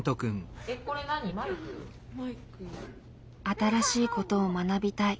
「新しいことを学びたい」